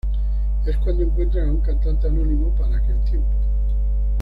Es cuando encuentran a un cantante anónimo para aquel tiempo.